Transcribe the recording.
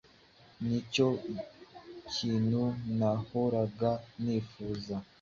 Nicyo kintu nahoraga nifuza.